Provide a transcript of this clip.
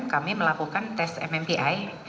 kami melakukan tes mmpi